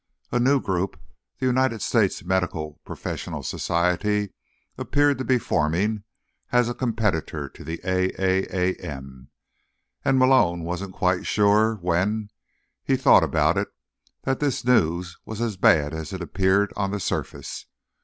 A new group, the United States Medical Professional Society, appeared to be forming as a competitor to the AAAM, and Malone wasn't quite so sure, when he thought about it, that this news was as bad as it appeared on the surface.